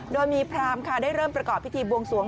โดยมีพรามค่ะได้เริ่มประกอบพิธีบวงสวง